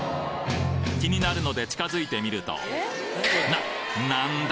気になるので近づいてみるとななんだ